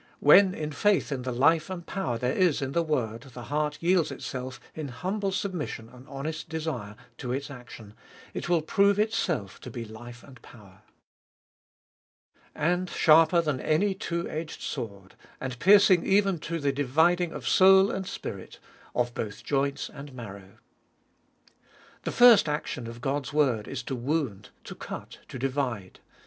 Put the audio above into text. When, in faith in the life and power there is in the word, the heart yields itself in humble submission and honest desire to its action, it will prove itself to be life and power. And sharper than any two edged sword, and piercing even to the dividing of soul and spirit, of both joints and marrow. The first action of God's word is to wound, to cut, to divide.